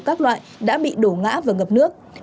các loại đã bị đổ ngã và ngập nước